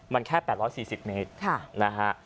มันแค่๘๔๐เมตรนะฮะ